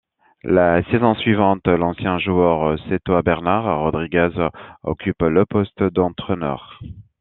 La saison suivante, l'ancien joueur Sétois Bernard Rodriguez occupe le poste d'entraîneur.